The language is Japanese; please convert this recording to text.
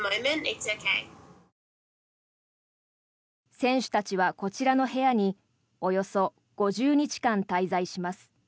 選手たちは、こちらの部屋におよそ５０日間滞在します。